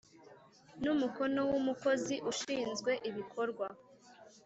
n umukono w umukozi ushinzwe ibikorwa